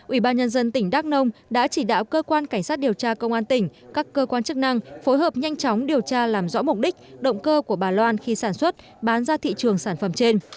ủy ban nhân dân tỉnh đắk nông đã chỉ đạo cơ quan cảnh sát điều tra công an tỉnh các cơ quan chức năng phối hợp nhanh chóng điều tra làm rõ mục đích động cơ của bà loan khi sản xuất bán ra thị trường sản phẩm trên